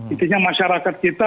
intinya masyarakat kita